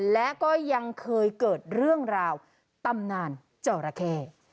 และก็ยังเคยเกิดเรื่องราวตำนานจอราเข้